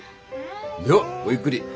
ではごゆっくり。